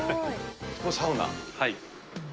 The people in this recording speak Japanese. ここ、サウナ？